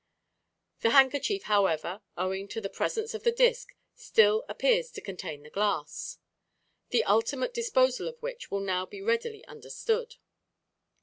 The handkerchief, however, owing to the presence of the disc, still appears to contain the glass, the ultimate disposal of which will now be readily understood.